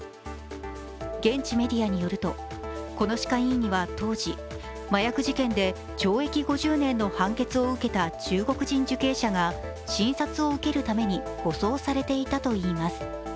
現地メディアによると、この歯科医院には当時、麻薬事件で懲役５０年の判決を受けた中国人受刑者が診察を受けるために護送されていたといいます